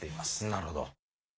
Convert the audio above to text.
なるほど。